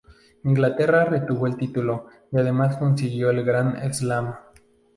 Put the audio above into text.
Inglaterra retuvo el título y además consiguió el Gran Slam.